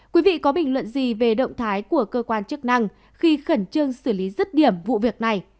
quý vị có bình luận gì về động thái của cơ quan chức năng khi khẩn trương xử lý rứt điểm vụ việc này